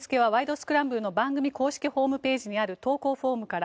スクランブル」の番組公式ホームページにある投稿フォームから。